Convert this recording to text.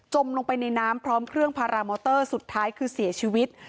ลงไปในน้ำพร้อมเครื่องพารามอเตอร์สุดท้ายคือเสียชีวิต